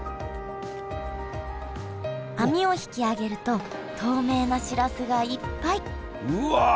網を引きあげると透明なしらすがいっぱいうわ！